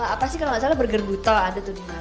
apa sih kalo gak salah burger buto ada tuh di rumahku